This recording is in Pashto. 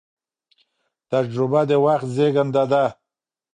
تجربه د وخت زېږنده ده.